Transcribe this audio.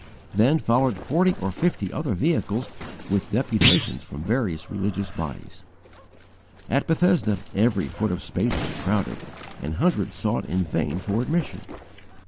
Then followed forty or fifty other vehicles with deputations from various religious bodies, etc. At Bethesda, every foot of space was crowded, and hundreds sought in vain for admission.